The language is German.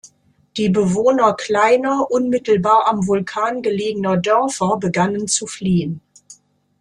Die Bewohner kleiner, unmittelbar am Vulkan gelegener Dörfer begannen zu fliehen.